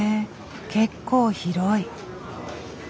結構広い。